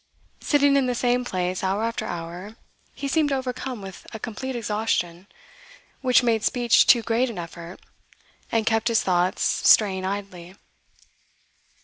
Sitting in the same place hour after hour, he seemed overcome with a complete exhaustion, which made speech too great an effort and kept his thoughts straying idly.